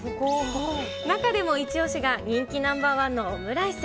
中でも一押しが、人気ナンバー１のオムライス。